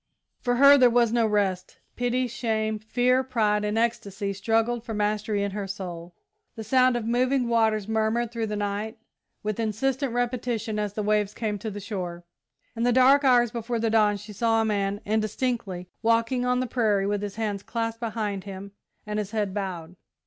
For her there was no rest. Pity, shame, fear, pride, and ecstasy struggled for mastery in her soul. The sound of moving waters murmured through the night with insistent repetition as the waves came to the shore. In the dark hours before dawn she saw a man, indistinctly, walking on the prairie, with his hands clasped behind him and his head bowed.